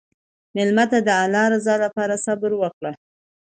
مېلمه ته د الله رضا لپاره صبر وکړه.